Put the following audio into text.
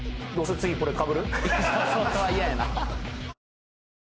次これかぶる？